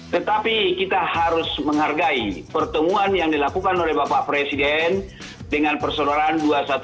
tetapi kita harus menghargai pertemuan yang dilakukan oleh bapak presiden dengan persaudaraan dua ratus dua belas